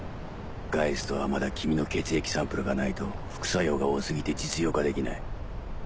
ガイストはまだ君の血液サンプルがないと副作用が多過ぎて実用化できない。